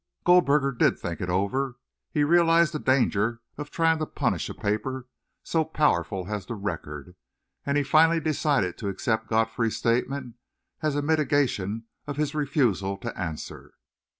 Goldberger did think it over; he realised the danger of trying to punish a paper so powerful as the Record, and he finally decided to accept Godfrey's statement as a mitigation of his refusal to answer.